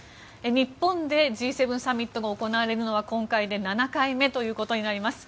日本でＧ７サミットが行われるのは今回で７回目となります。